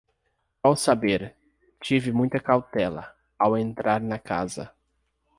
Qual saber! tive muita cautela, ao entrar na casa.